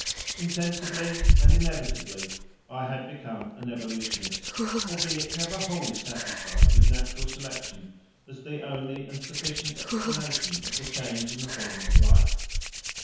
Insensibly and inevitably I had become an evolutionist, albeit never wholly satisfied with natural selection as the only and sufficient explanation of the change in the forms of life.